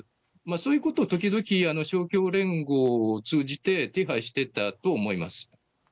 そういうことを時々勝共連合を通じて手配してたと思います。